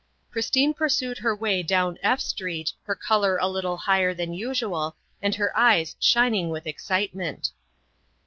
Christine pursued her way down F Street, her color a little higher than usual and her eyes shining with excitement.